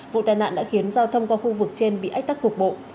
vụ tai nạn đã khiến giao thông qua khu vực trên bị ách tắt cuộc bộ